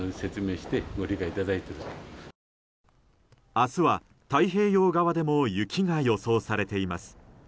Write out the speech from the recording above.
明日は太平洋側でも雪が予想されています。